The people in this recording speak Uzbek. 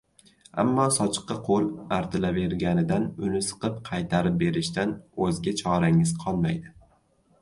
ammo sochiqqa qo‘l artilaverilganidan uni siqib qaytarib berishdan o‘zga chorangiz qolmaydi.